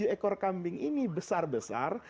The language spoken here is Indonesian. tujuh ekor kambing ini besar besar